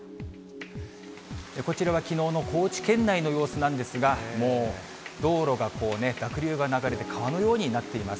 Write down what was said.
こちらはきのうの高知県内の様子なんですが、もう道路が、こうね、濁流が流れて、川のようになっています。